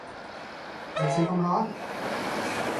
รังสีความร้อน